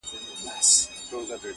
اوس به څوك لېږي ميرا ته غزلونه-